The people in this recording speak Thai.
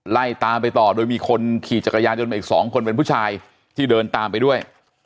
ไล่ตามไปต่อโดยมีคนขี่จักรยานยนต์มาอีกสองคนเป็นผู้ชายที่เดินตามไปด้วย